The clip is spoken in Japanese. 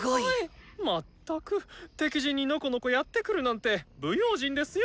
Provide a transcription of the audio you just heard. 敵陣にのこのこやって来るなんて不用心ですよ。